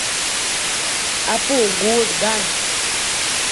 اپوں گوٹھ گنڑ